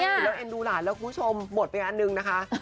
แล้วเอ็นดูล้านคุณผู้ชมหมดไปอันหนึ่งนะคะ